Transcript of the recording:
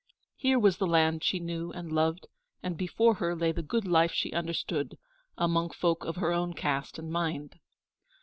Here was the land she knew and loved, and before her lay the good life she understood, among folk of her own caste and mind.